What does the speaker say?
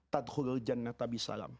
tadkhul jannatabi salam